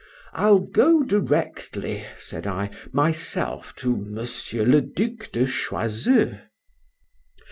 I'll go directly, said I, myself to Monsieur le Duc de Choiseul.